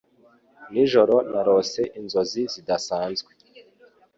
Nijoro narose inzozi zidasanzwe.